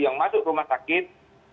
yang masuk rumah sakit